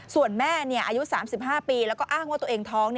ส่วนแม่อายุ๓๕ปีแล้วก็อ้างว่าตัวเองท้อง